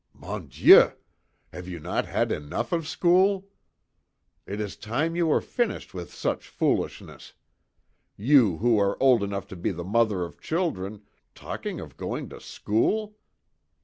Mon Dieu! Have you not had enough of school? It is time you were finished with such foolishness. You, who are old enough to be the mother of children, talking of going to school!